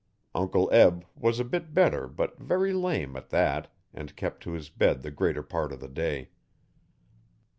Uncle Eb was a bit better but very lame at that and kept to his bed the greater part of the day.